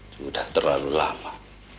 sudah terlalu lama